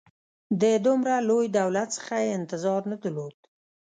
د دومره لوی دولت څخه یې انتظار نه درلود.